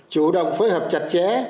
chủ động phối hợp chặt chẽ